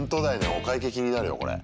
お会計気になるよこれ。